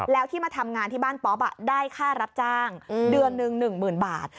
แล้วที่มาทำงานที่บ้านป๊อปได้ค่ารับจ้างเดือนหนึ่ง๑๐๐๐บาท